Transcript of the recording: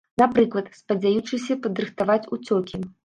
Напрыклад, спадзеючыся падрыхтаваць уцёкі.